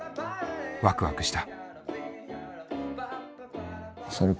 ワクワクした。